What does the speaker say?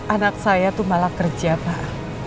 anak saya itu malah kerja pak